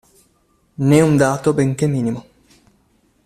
Né un dato benché minimo.